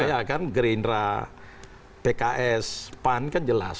ya kan gerindra pks pan kan jelas